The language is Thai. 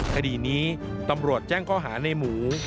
คดีนี้ตำรวจแจ้งข้อหาในหมู